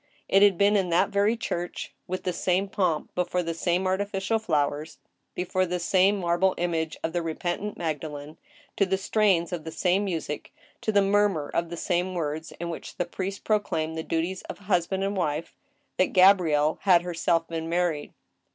It had been in that very church, with the same pomp, before the same artificial flowers, before the same marble image of the repent ant Magdalene, to the strains of the same music, to the murmur of the same words in which the priest proclaimed the duties of husband and wife, that Gabrielle had herself been married.